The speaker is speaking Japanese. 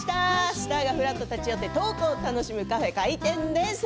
スターがふらっと立ち寄ってトークを楽しむカフェ、開店です。